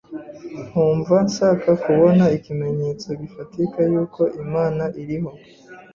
nkumva nshaka kubona ikimenyetso gifatika yuko Imana iriho.